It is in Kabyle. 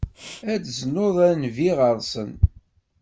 I d-tuzneḍ a Nnbi ɣer-sen.